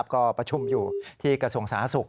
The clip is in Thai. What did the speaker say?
ก็ประชุมอยู่ที่กระทรวงสาธารณสุข